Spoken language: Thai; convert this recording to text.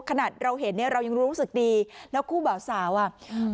ขนาดเราเห็นเนี้ยเรายังรู้สึกดีแล้วคู่บ่าวสาวอ่ะอืม